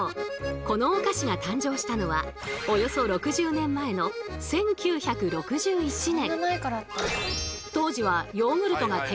このお菓子が誕生したのはおよそ６０年前の１９６１年。